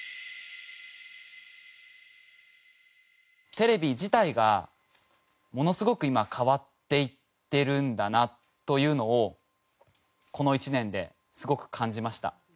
テレビ自体がものすごく今変わっていっているんだなというのをこの１年ですごく感じました。